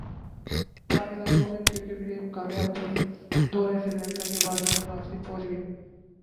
Pakistan women cricket team کامیاب دورہ سری لنکا کے بعد وطن واپس پہنچ گئی